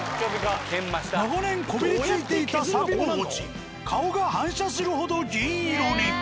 長年こびりついていたサビも落ち顔が反射するほど銀色に。